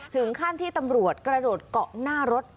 ถึงขั้นที่ตำรวจกระโดดเกาะหน้ารถ